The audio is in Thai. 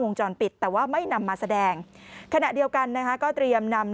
จรปิดแต่ว่าไม่นำมาแสดงขณะเดียวกันนะคะก็เตรียมนำ